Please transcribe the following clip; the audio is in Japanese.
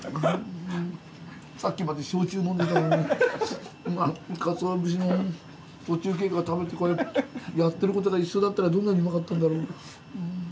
さっきまで焼酎呑んでたのにカツオ節の途中経過食べてこれやってる事が一緒だったらどんなにうまかったんだろう。